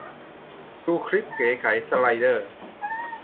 ดูคลิปเก๋ไก๋ สไลเดอร์